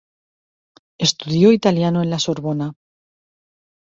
Estudió italiano en la Sorbona.